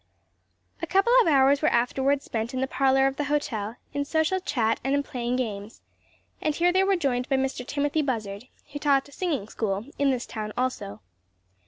A couple of hours were afterward spent in the parlor of the hotel, in social chat and playing games; and here they were joined by Mr. Timothy Buzzard, who taught a singing school in this town also.